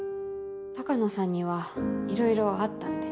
鷹野さんにはいろいろあったんで。